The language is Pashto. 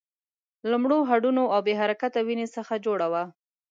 له مړو هډونو او بې حرکته وينې څخه جوړه وه.